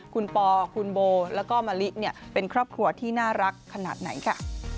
คุณปอคุณโบแล้วก็มะลิเป็นครอบครัวที่น่ารักขนาดไหนค่ะ